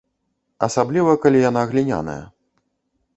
Асабліва калі яна гліняная.